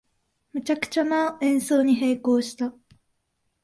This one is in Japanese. めちゃくちゃな演奏に閉口した